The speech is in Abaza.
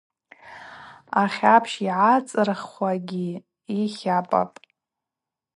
Ахьапщ йъагӏацӏырхуагьи йтлапӏапӏ.